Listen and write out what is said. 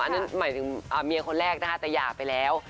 นั่นหมายถึงเมียคนแรกนะคะแต่หย่าไปแล้ว